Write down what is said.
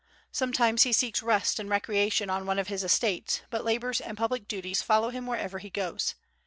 Sometimes he seeks rest and recreation on one of his estates, but labors and public duties follow him wherever he goes.